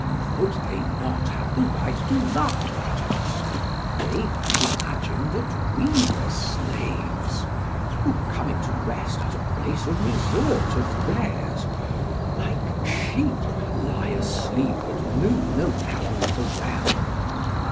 Would they not have a right to laugh at us? They might imagine that we were slaves, who, coming to rest at a place of resort of theirs, like sheep lie asleep at noon around the well.